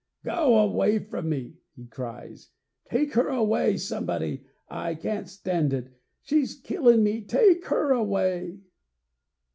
'Go away from me,' he cries. 'Take her away, somebody! I can't stand it! She's killing me! Take her away!'